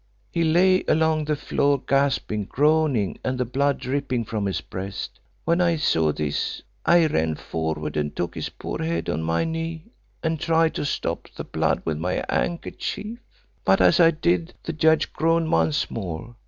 He lay along the floor, gasping, groaning, and the blood dripping from his breast. When I saw this I ran forward and took his poor head on my knee, and tried to stop the blood with my handkerchief. But as I did this the judge groaned once more.